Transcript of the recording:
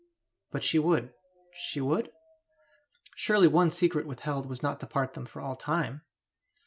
But she would she would? Surely one secret withheld was not to part them for all time!